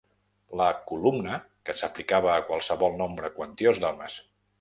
La «columna», que s'aplicava a qualsevol nombre quantiós d'homes.